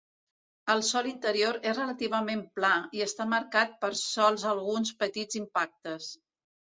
El sòl interior és relativament pla, i està marcat per sols alguns petits impactes.